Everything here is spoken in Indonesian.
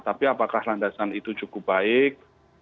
tapi apakah landasan itu cukup baik